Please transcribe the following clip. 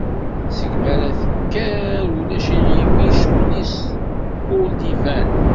Segmi ara d-tekker, ulac iɣimi, ccɣel-is ur d-iban.